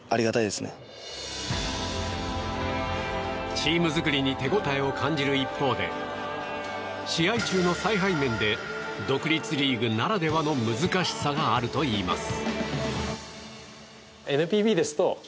チーム作りに手応えを感じる一方で試合中の采配面で独立リーグならではの難しさがあるといいます。